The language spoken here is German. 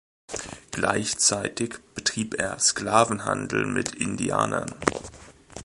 Gleichzeitig betrieb er Sklavenhandel mit Indianern.